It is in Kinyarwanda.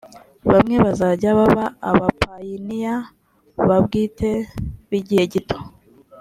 bamwe bazajya baba abapayiniya ba bwite b igihe gito